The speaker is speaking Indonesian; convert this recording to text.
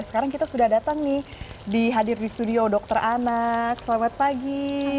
sekarang kita sudah datang nih di hadir di studio dokter anak selamat pagi